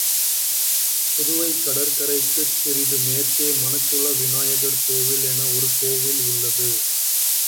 புதுவைக் கடற்கரைக்குச் சிறிது மேற்கே மணக்குள விநாயகர் கோவில் என ஒரு கோவில் உள்ளது.